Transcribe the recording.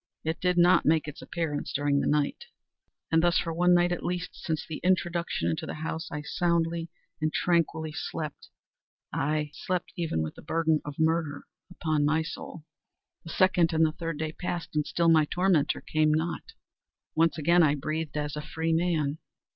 It did not make its appearance during the night; and thus for one night at least, since its introduction into the house, I soundly and tranquilly slept; aye, slept even with the burden of murder upon my soul! The second and the third day passed, and still my tormentor came not. Once again I breathed as a freeman.